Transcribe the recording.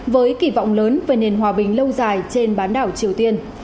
với kỳ vọng lớn về nền hòa bình lâu dài trên bán đảo triều tiên